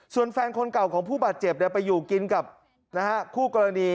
ส่วนแฟนคนเก่าของผู้บาดเจ็บไปอยู่กินกับคู่กรณี